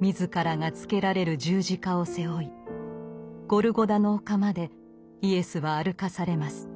自らがつけられる十字架を背負いゴルゴダの丘までイエスは歩かされます。